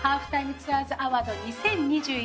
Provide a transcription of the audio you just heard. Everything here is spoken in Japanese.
ツアーズアワード２０２１。